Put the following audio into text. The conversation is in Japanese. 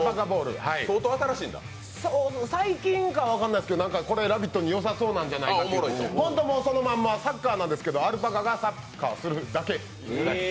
最近かは分からないんですがこれ、「ラヴィット！」によさそうなんじゃないかなと、本当にそのままサッカーなんですけど、アルパカがサッカーするだけ。